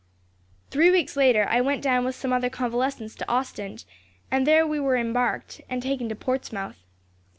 "Three weeks later, I went down with some other convalescents to Ostend, and there we were embarked, and taken to Portsmouth.